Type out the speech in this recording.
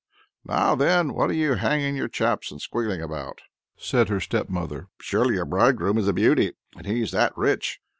"Now then, what are you hanging your chaps and squealing about?" said her stepmother. "Surely your bridegroom is a beauty, and he's that rich!